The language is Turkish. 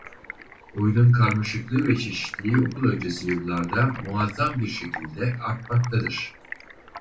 Oyunun karmaşıklığı ve çeşitliliği okul öncesi yıllarda muazzam bir şekilde artmaktadır.